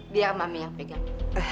biar mami yang pegang